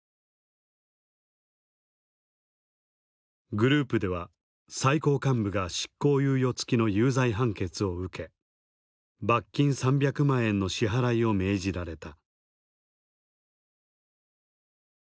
グループでは最高幹部が執行猶予付きの有罪判決を受け罰金３００万円の支払いを命じられた。